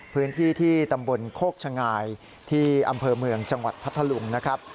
พื้นที่ที่ตำบลโคกชะงายที่อำเภอเมืองจังหวัดพัทธลุงนะครับ